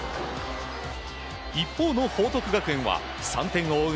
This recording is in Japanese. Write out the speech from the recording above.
一方の報徳学園は３点を追う